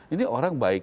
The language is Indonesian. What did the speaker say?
ini orang baik